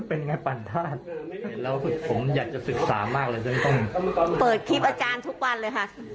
ผมอยากจะศึกษามากเลยจนต้องเปิดคลิปอาจารย์ทุกวันเลยค่ะ